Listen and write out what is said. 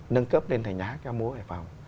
nâng cấp lên thành nhà hát ca múa hải phòng